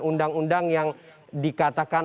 undang undang yang dikatakan